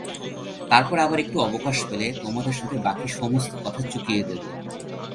তার পরে আবার একটু অবকাশ পেলে তোমাদের সঙ্গে বাকি সমস্ত কথা চুকিয়ে দেব।